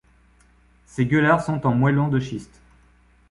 Ces gueulards sont en moellon de schiste.